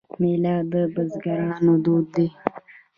میله د بزګرانو دود دی.